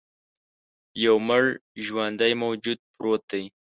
یو مړ ژواندی موجود پروت دی.